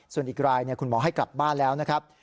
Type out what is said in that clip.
ส่วนอีกรายคุณหมอให้กลับบ้านแล้วนะครับ